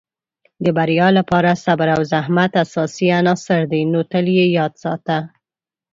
د بریا لپاره صبر او زحمت اساسي عناصر دي، نو تل یې یاد ساته.